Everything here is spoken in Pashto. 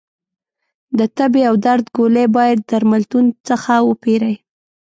د تبې او درد ګولۍ باید درملتون څخه وپېری